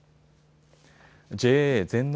ＪＡ全農